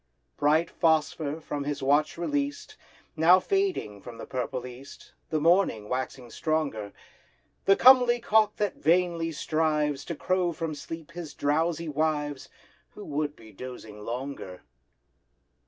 Bright Phosphor, from his watch released, Now fading from the purple East— The morning waxing stronger; The comely cock that vainly strives To crow from sleep his drowsy wives, Who would be dosing longer.